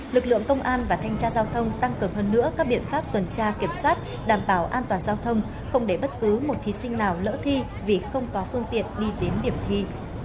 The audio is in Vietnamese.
lực lượng công an và thanh tra giao thông tăng cường hơn nữa các biện pháp tuần tra kiểm soát đảm bảo an toàn giao thông không để bất cứ một thí sinh nào lỡ thi vì không có phương tiện đi đến điểm thi